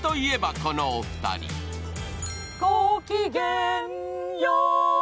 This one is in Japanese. ごきげんよう。